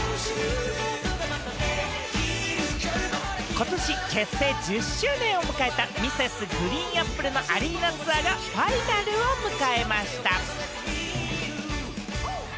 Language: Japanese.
ことし結成１０周年を迎えたＭｒｓ．ＧＲＥＥＮＡＰＰＬＥがアリーナツアーがファイナルを迎えました。